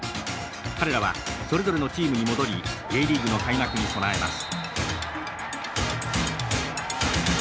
彼らはそれぞれのチームに戻りＪリーグの開幕に備えます。